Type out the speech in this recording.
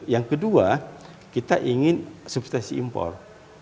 yang kedua kita ingin substansi impor